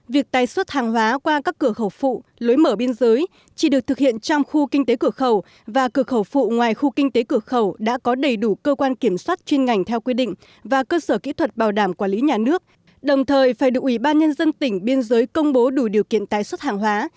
việc tái xuất hàng hóa qua các cửa khẩu phụ lối mở biên giới chỉ được thực hiện trong khu kinh tế cửa khẩu và cửa khẩu phụ ngoài khu kinh tế cửa khẩu đã có đầy đủ cơ quan kiểm soát chuyên ngành theo quy định và cơ sở kỹ thuật bảo đảm quản lý nhà nước đồng thời phải được ủy ban nhân dân tỉnh biên giới công bố đủ điều kiện tái xuất hàng hóa